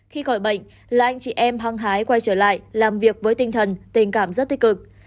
khi gọi bệnh là anh chị em hăng hái quay trở lại làm việc với tinh thần tình cảm rất tích cực